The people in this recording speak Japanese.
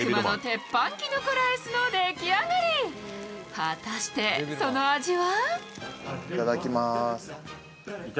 果たしてその味は？